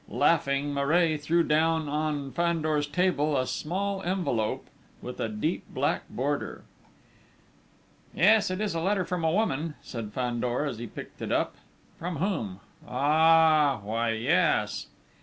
Laughing, Maray threw down on Fandor's table a small envelope with a deep black border. "Yes, it is a letter from a woman," said Fandor, as he picked it up: "from whom?... Ah,... why yes!..."